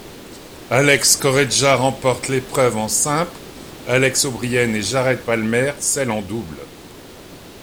Àlex Corretja remporte l'épreuve en simple, Alex O'Brien et Jared Palmer celle en double.